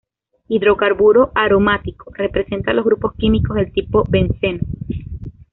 Hidrocarburo aromático, representa los grupos químicos del tipo benceno.